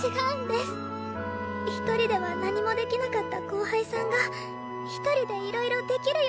一人では何もできなかった後輩さんが一人でいろいろできるようになって